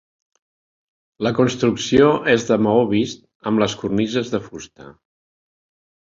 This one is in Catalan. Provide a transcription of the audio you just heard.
La construcció és de maó vist amb les cornises de fusta.